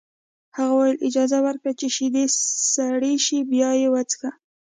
هغه وویل اجازه ورکړه چې شیدې سړې شي بیا یې وڅښه